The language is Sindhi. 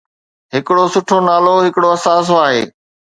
ھڪڙو سٺو نالو ھڪڙو اثاثو آھي.